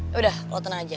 yaudah lo tenang aja